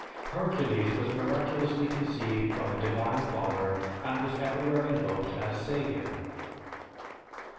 Hercules was miraculously conceived from a divine father and was everywhere invoked as savior.